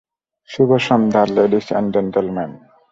শুভ সন্ধ্যা, ladies and gentle man.